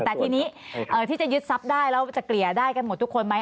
แต่ทีนี้ที่จะยึดทรัพย์ได้แล้วจะเกลี่ยได้กันหมดทุกคนไหม